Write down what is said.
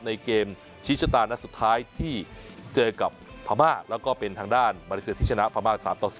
ในเกมชี้ชะตานัดสุดท้ายที่เจอกับพม่าแล้วก็เป็นทางด้านมาเลเซียที่ชนะพม่า๓ต่อ๐